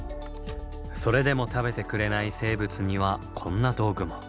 それでも食べてくれない生物にはこんな道具も。